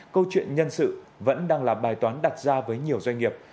câu chuyện nhân sự vẫn đang là bài toán đặt ra với nhiều doanh nghiệp